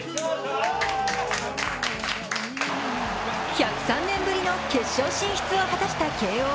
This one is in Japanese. １０３年ぶりの決勝進出を果たした慶応。